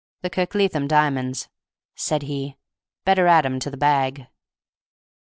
"The Kirkleatham diamonds," said he. "Better add 'em to the bag."